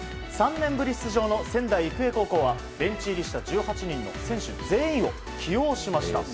３年ぶり出場の仙台育英高校はベンチ入りした１８人選手全員を起用しました。